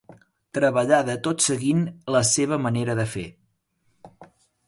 Treballada tot seguint la seva manera de fer.